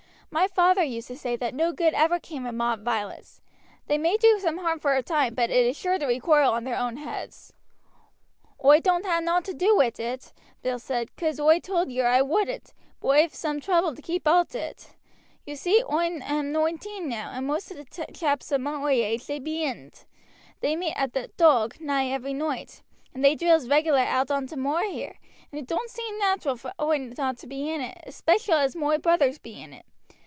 My father used to say that no good ever came of mob violence. They may do some harm for a time, but it is sure to recoil on their own heads." "Oi doan't ha' nowt to do wi' it," Bill replied, "cause oi told yer oi wouldn't; but oi've some trouble to keep oot o't. Ye see oi am nointeen now, and most o' t' chaps of moi age they be in 't; they meet at the 'Dog' nigh every noight, and they drills regular out on t' moor here, and it doan't seem natural for oi not to be in it, especial as moi brothers be in it.